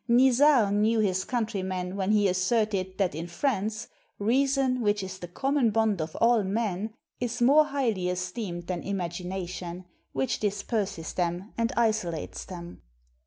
Nisard knew his countrymen when he asserted that in France "reason, which is the common bond of all men, is more highly esteemed than imagination, which disperses them and isolates them."